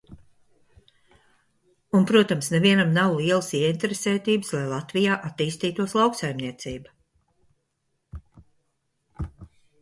Un, protams, nevienam nav lielas ieinteresētības, lai Latvijā attīstītos lauksaimniecība.